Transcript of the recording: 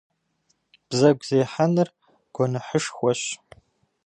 Бзэгу зехьэныр гуэныхьышхуэщ.